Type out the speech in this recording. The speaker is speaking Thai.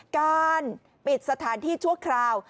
การปิดสถานที่ชั่วคราว